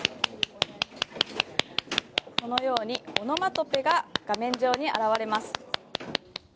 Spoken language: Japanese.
このようにオノマトペが画面上に現れます。